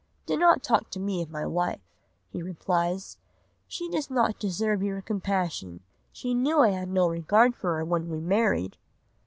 '" "'Do not talk to me of my wife,'" he replies. "'She does not deserve your compassion. She knew I had no regard for her when we married.